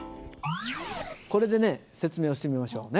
これでね説明をしてみましょうね。